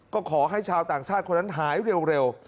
ก็ขอให้ชาวต่างชาติคนนั้นหายเร็ว